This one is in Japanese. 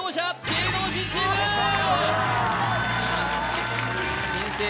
芸能人チーム新生